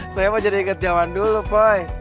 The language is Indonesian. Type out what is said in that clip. saya mah jadi ikut jaman dulu poy